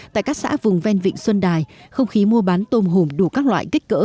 tại các xã vùng ven vịnh xuân đài không khí mua bán tôm hùm đủ các loại kích cỡ